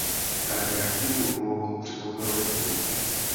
Hrají aktivní úlohu při obnově zemí.